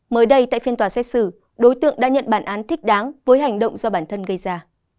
mới đây tại phiên tòa xét xử đối tượng đã nhận bản án thích đáng với hành động do bản thân gây ra